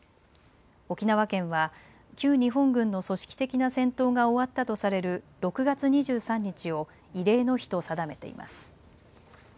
沖縄県は旧日本軍の組織的な戦闘が終わったとされる６月２３日を慰霊の日と定めています。